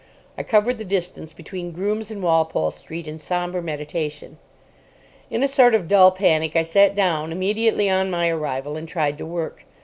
I covered the distance between Groom's and Walpole Street in sombre meditation. In a sort of dull panic I sat down immediately on my arrival, and tried to work.